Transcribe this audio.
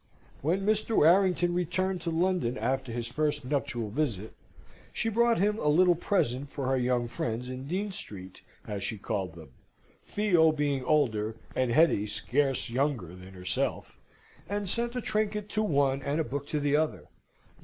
When Mr. Warrington returned to London after his first nuptial visit, she brought him a little present for her young friends in Dean Street, as she called them (Theo being older, and Hetty scarce younger than herself), and sent a trinket to one and a book to the other G.